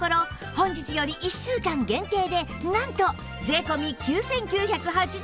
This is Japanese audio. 本日より１週間限定でなんと税込９９８０円です！